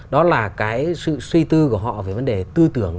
đó là cái sự suy tư của họ về vấn đề tư tưởng